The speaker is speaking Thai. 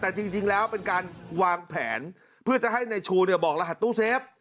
แต่จริงแล้วเป็นการวางแผนเพื่อจะให้ในชูบอกรหัสตู้เซฟ